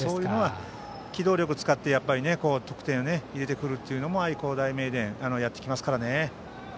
機動力を使って得点を入れてくるというのも愛工大名電はやってきますからね。